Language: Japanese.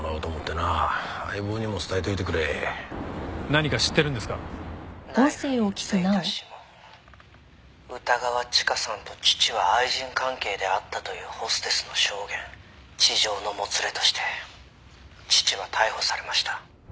「ナイフに付いた指紋」「歌川チカさんと父は愛人関係であったというホステスの証言」「痴情のもつれとして父は逮捕されました」